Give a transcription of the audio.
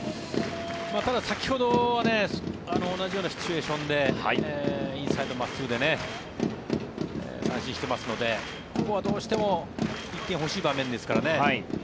ただ、先ほどは同じようなシチュエーションでインサイド真っすぐで三振してますのでここは、どうしても１点欲しい場面ですからね。